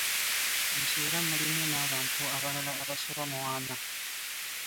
Nti era mulimu n'abantu abalala abasoba mu ana